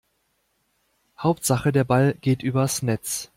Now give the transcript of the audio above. Hauptsache der Ball geht übers Netz.